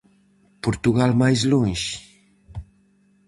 Portugal máis lonxe?